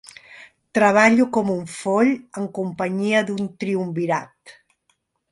Treballo com un foll en companyia d'un triumvirat.